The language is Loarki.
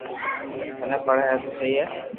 ٿني پڙي ھي تو سھي ھي